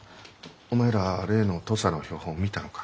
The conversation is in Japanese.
お前らは例の土佐の標本見たのか？